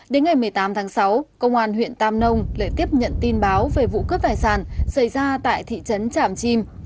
đến ngày một mươi tám tháng sáu công an huyện tam nông lại tiếp nhận tin báo về vụ cướp tài sản xảy ra tại thị trấn tràm chim